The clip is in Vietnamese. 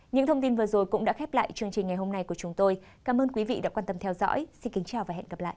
những thông tin vừa rồi cũng đã khép lại chương trình ngày hôm nay của chúng tôi cảm ơn quý vị đã quan tâm theo dõi xin kính chào và hẹn gặp lại